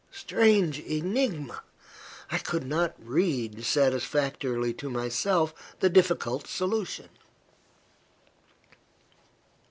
Strange enigma! I could not read, satisfactorily to myself, the difficult solution.